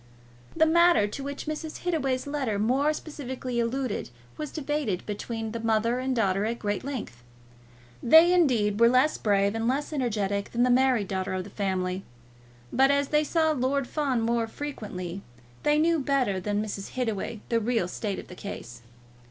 The matter to which Mrs. Hittaway's letter more specially alluded was debated between the mother and daughter at great length. They, indeed, were less brave and less energetic than was the married daughter of the family; but as they saw Lord Fawn more frequently, they knew better than Mrs. Hittaway the real state of the case.